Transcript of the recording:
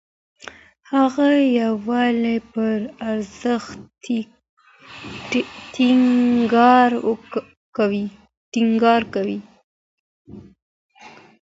هغه د يووالي پر ارزښت ټينګار کوي.